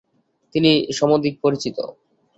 তিনি সমধিক পরিচিত।